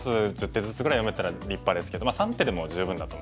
１０手ずつぐらい読めたら立派ですけどまあ３手でも十分だと思います。